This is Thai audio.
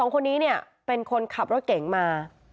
๒คนนี้เป็นคนขับรถเก่งมา